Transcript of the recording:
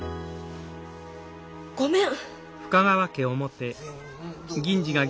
ごめん。